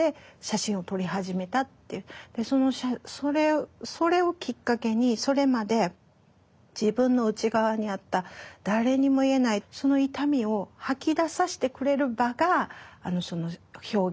でそれをきっかけにそれまで自分の内側にあった誰にも言えないその痛みを吐き出させてくれる場が表現